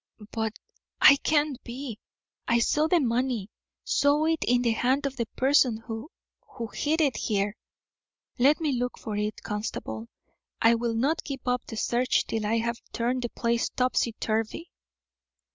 "But I can't be. I saw the money; saw it in the hand of the person who hid it there. Let me look for it, constable. I will not give up the search till I have turned the place topsy turvy."